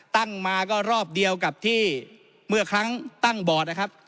ตั้งมาก็รอบเดียวกับที่เมื่อครั้งตั้งบอร์ดนะครับ